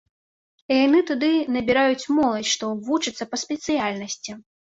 Яны туды набіраюць моладзь, што вучацца па спецыяльнасці.